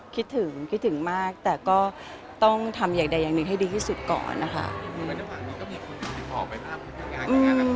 คิดถึงคิดถึงมากแต่ก็ต้องทำอย่างใดอย่างหนึ่งให้ดีที่สุดก่อนนะคะ